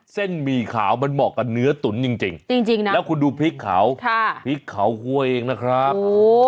หมี่ขาวมันเหมาะกับเนื้อตุ๋นจริงนะแล้วคุณดูพริกเขาพริกเขาห้วยเองนะครับ